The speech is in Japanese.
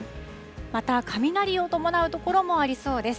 また、雷を伴う所もありそうです。